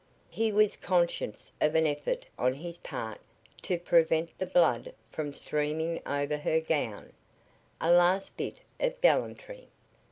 He was conscious of an effort on his part to prevent the blood from streaming over her gown a last bit of gallantry.